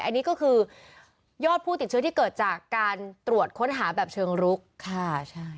อันนี้ก็คือยอดผู้ติดเชื้อที่เกิดจากการตรวจค้นหาแบบเชิงรุกค่ะใช่